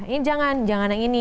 ini jangan jangan yang ini